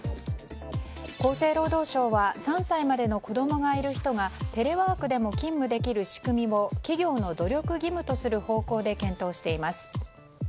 厚生労働省は３歳までの子供がいる人がテレワークでも勤務できる仕組みを企業の努力義務とする方向で検討しています。